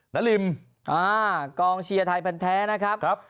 นาริมกองเชียร์ไทยแพนแท้นะครับ